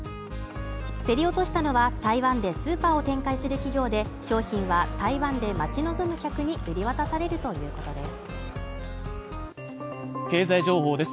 競り落としたのは、台湾でスーパーを展開する企業で、商品は台湾で待ち望む客に売り渡されるということです。